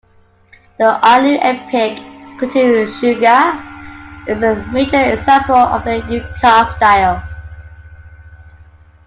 The Ainu epic "Kutune Shirka" is a major example of the "yukar" style.